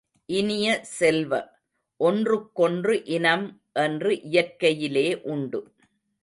இனிய செல்வ, ஒன்றுக்கொன்று இனம் என்று இயற்கையிலே உண்டு.